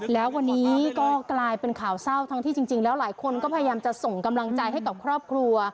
แล้ววันนี้ก็กลายเป็นข่าวเศร้าทั้งที่จริงแล้วหลายคนก็พยายามจะส่งกำลังใจให้กับครอบครัว